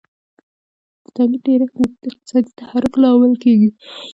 د تولید ډېرښت د اقتصادي تحرک لامل کیږي.